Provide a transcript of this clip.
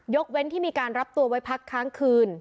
เว้นที่มีการรับตัวไว้พักค้างคืน